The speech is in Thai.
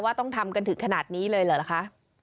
ต้องทำกันถึงขนาดนี้เลยเหรอคะ